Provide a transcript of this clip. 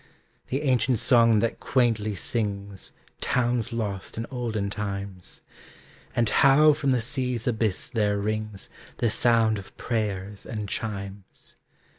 The ancient song that quaintly sings Towns lost in olden times; And how from the sea's abyss there rings The sound of prayers and chimes.